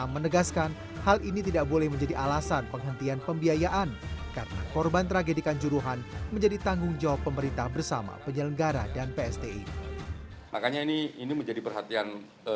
makanya ini menjadi perhatian komnas ham untuk menelusurin